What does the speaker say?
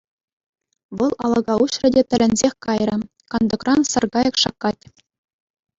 Вӑл алӑка уҫрӗ те тӗлӗнсех кайрӗ: кантӑкран саркайӑк шаккать.